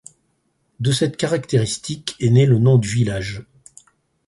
De cette caractéristique est née le nom du village.